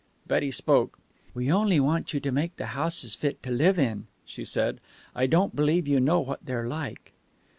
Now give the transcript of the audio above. Betty spoke. "We only want you to make the houses fit to live in," she said. "I don't believe you know what they're like."